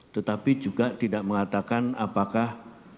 tetapi juga tidak mengatakan apakah